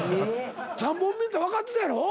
３本目って分かってたやろ？